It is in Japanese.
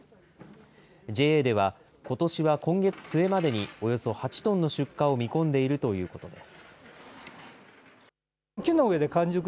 ＪＡでは、ことしは今月末までにおよそ８トンの出荷を見込んでいるということです。